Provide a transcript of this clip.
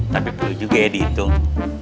tapi perlu juga ya dihitung